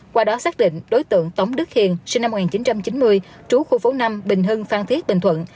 qua đó xác định đối tượng tống đức hiền sinh năm một nghìn chín trăm chín mươi trú khu phố năm bình hưng phan thiết bình thuận